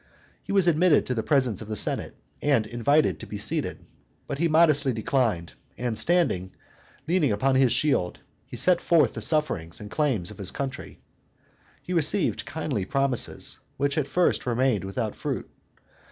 He was admitted to the presence of the Senate, and invited to be seated; but he modestly declined, and standing, leaning upon his shield, he set forth the sufferings and the claims of his country. He received kindly promises, which at first remained without fruit.